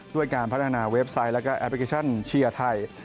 ด้วยการพัฒนาเว็บไซต์แล้วก็แอปพลิเคชันเชียร์ไทย